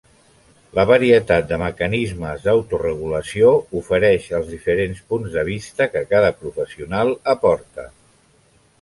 La varietat de mecanismes d'autoregulació ofereix els diferents punts de vista que cada professional aporta.